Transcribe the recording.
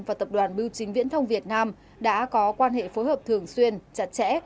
và tập đoàn bưu chính viễn thông việt nam đã có quan hệ phối hợp thường xuyên chặt chẽ